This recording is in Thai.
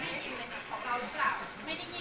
ไม่ได้ยินแล้วก็ได้ยินแล้วก็ไม่ได้ยิน